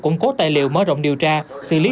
củng cố tài liệu mở rộng điều tra xử lý